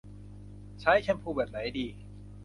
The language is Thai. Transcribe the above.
ใช้แชมพูแบบไหนดี